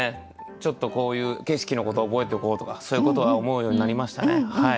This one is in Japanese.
ちょっとこういう景色のこと覚えておこうとかそういうことは思うようになりましたね。